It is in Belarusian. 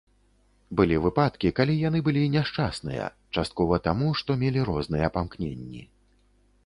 Былі выпадкі, калі яны былі няшчасныя, часткова таму, што мелі розныя памкненні.